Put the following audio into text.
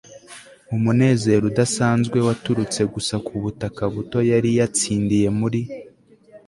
umunezero udasanzwe waturutse gusa kubutaka buto yari yatsindiye muri